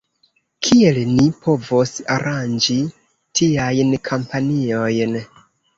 Kiel ni povos aranĝi tiajn kampanjojn?